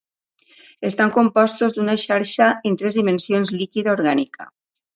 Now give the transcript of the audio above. Estan compostos d'una xarxa en tres dimensions líquida orgànica.